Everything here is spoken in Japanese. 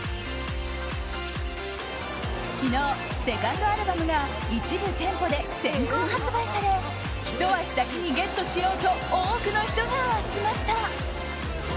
昨日、セカンドアルバムが一部店舗で先行発売されひと足先にゲットしようと多くの人が集まった。